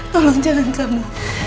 tolong jangan kamu